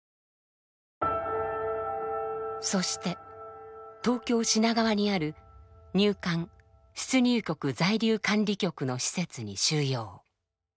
そして東京・品川にある入管出入国在留管理局の施設に収容。